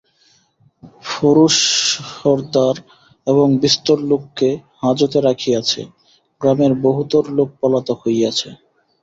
ফরুসর্দার এবং বিস্তর লোককে হাজতে রাখিয়াছে, গ্রামের বহুতর লোক পলাতক হইয়াছে।